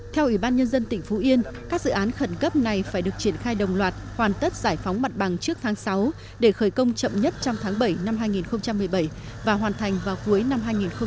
theo ủy ban nhân dân tỉnh phú yên các dự án khẩn cấp này phải được triển khai đồng loạt hoàn tất giải phóng mặt bằng trước tháng sáu để khởi công chậm nhất trong tháng bảy năm hai nghìn một mươi bảy và hoàn thành vào cuối năm hai nghìn một mươi chín